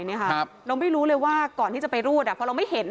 เราไม่รู้เลยว่าก่อนที่จะไปรูดพอเราไม่เห็น